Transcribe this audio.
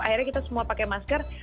akhirnya kita semua pakai masker